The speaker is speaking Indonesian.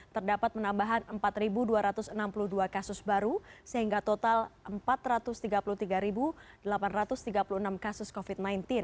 terdapat penambahan empat dua ratus enam puluh dua kasus baru sehingga total empat ratus tiga puluh tiga delapan ratus tiga puluh enam kasus covid sembilan belas